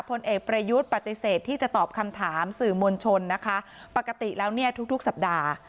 ผลเอกประยุทธ์ปฏิเสธที่จะตอบคำถามสื่อมวลชนนะคะปกติแล้วเนี่ยทุกทุกสัปดาห์